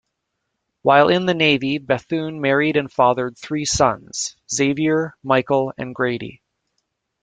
While in the Navy, Bethune married and fathered three sons, Xavier, Michael and Grady.